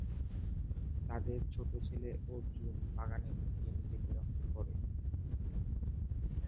তাদের ছোট ছেলে অর্জুন বাগানে লুকিয়ে নিজেকে রক্ষা করে।